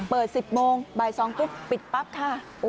เปิด๑๐โมงบ่าย๒ปุ๊บปิดปั๊บค่ะ